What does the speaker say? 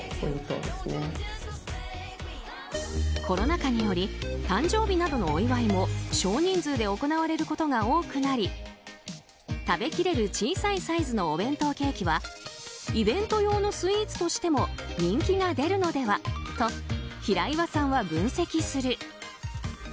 コロナ禍により誕生日などのお祝いも少人数で行われることが多くなり食べきれる小さいサイズのお弁当ケーキはイベント用のスイーツとしても人気が出るのではと平岩さんは分析する。